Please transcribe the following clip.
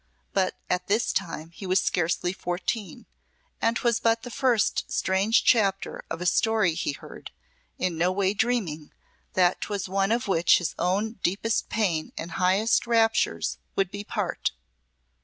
But at this time he was scarcely fourteen, and 'twas but the first strange chapter of a story he heard, in no way dreaming that 'twas one of which his own deepest pain and highest raptures would be part.